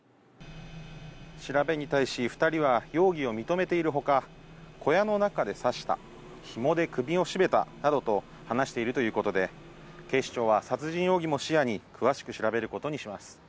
調べに対し２人は、容疑を認めているほか、小屋の中で刺した、ひもで首を絞めたなどと、話しているということで、警視庁は、殺人容疑も視野に詳しく調べることにします。